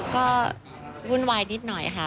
ก็วุ่นวายนิดหน่อยค่ะ